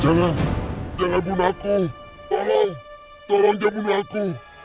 jangan jangan bunuh aku tolong tolong jangan bunuh aku